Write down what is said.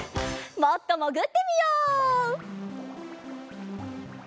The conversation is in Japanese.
もっともぐってみよう！